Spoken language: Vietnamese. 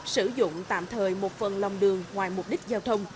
sử dụng tạm thời một phần lòng đường ngoài mục đích giao thông